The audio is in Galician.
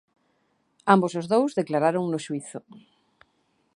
Ambos os dous declararon no xuízo.